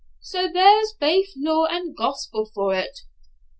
So there's baith law and gospel for it.